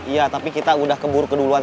iya tapi kita udah kebur keduluan